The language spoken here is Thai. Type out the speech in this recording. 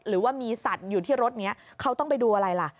หรือว่ามีสัตว์อยู่ที่รถนี้เขาต้องไปดูอะไรล่ะ